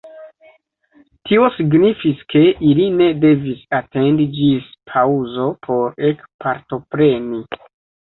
Tio signifis, ke ili ne devis atendi ĝis paŭzo por ekpartopreni.